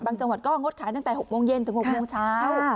จังหวัดก็งดขายตั้งแต่๖โมงเย็นถึง๖โมงเช้า